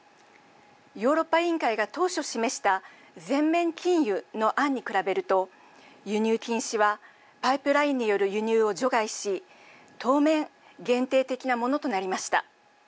ヨーロッパ委員会が当初示した全面禁輸の案に比べると輸入禁止はパイプラインによる輸入を除外し当面、限定的なものとなりました。